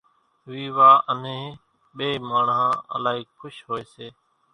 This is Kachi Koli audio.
ويوا انۿين ٻيئيَ ماڻۿان الائِي کُش هوئيَ سي۔